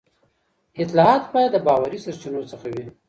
اطلاعات باید د باوري سرچینو څخه وي.